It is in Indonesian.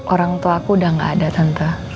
orangtuaku udah nggak ada tante